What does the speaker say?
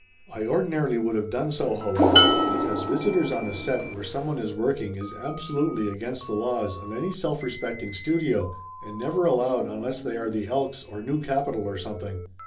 I ordinarily would of done so, however, because visi tors on a set where someone is working is absolutely against the laws of any self respecting studio and never allowed unless they are the Elks or new capital or something.